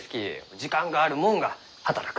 時間がある者が働く。